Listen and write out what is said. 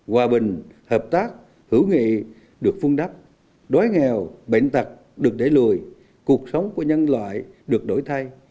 hòa bình hợp tác hữu nghị được phun đắp đói nghèo bệnh tật được để lùi cuộc sống của nhân loại được đổi thay